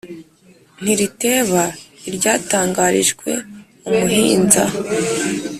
ntiriteba iryatangarijwe umuhinza